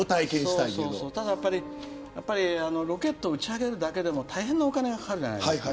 ただ、やっぱりロケット打ち上げるだけでも大変なお金がかかるじゃないですか。